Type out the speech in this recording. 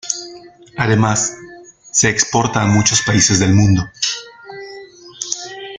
Además, se exporta a muchos países del mundo.